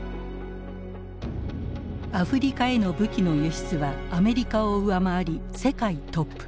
アフリカへの武器の輸出はアメリカを上回り世界トップ。